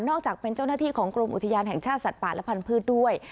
อกจากเป็นเจ้าหน้าที่ของกรมอุทยานแห่งชาติสัตว์ป่าและพันธุ์ด้วย